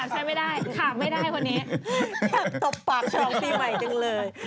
เฉียบตบปากชองทีใหม่จังเลย